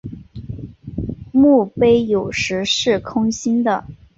墓碑有时是空心的。